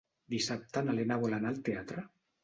Dissabte na Lena vol anar al teatre.